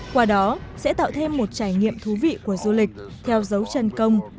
qua đó sẽ tạo thêm một trải nghiệm thú vị của du lịch theo dấu chân công